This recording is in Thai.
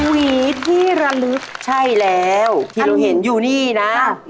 หวีที่ระลึกใช่แล้วที่เราเห็นอยู่นี่นะ